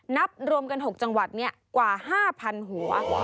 นับรวมกัน๖จังหวัดกว่า๕๐๐๐หัว